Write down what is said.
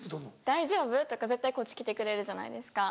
大丈夫？とか絶対こっち来てくれるじゃないですか。